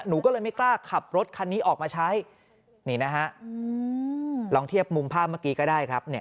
หนูก็เลยไม่กล้าขับรถคันนี้ออกมาใช้นี่นะฮะลองเทียบมุมภาพเมื่อกี้ก็ได้ครับเนี่ย